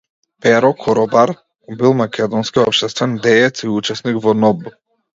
Перо Коробар бил македонски општествен деец и учесник во НОБ.